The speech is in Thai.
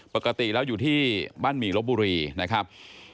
ปกติแล้วอยู่ที่บ้านหมี่ลบบุรีนะครับ